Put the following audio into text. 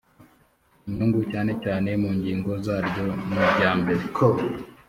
inyungu cyane cyane mu ngingo zaryo niryambere